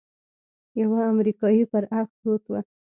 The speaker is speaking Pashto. يوه امريکايي پر اړخ پروت و.